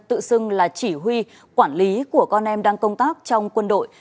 tự xưng là chỉ huy quản lý của con em đang công tác trong quân đội